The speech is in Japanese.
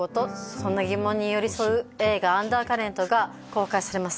そんな疑問に寄り添う映画「アンダーカレント」が公開されます